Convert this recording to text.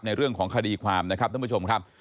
เรื่องของคดีความนะครับท่านผู้ชมครับ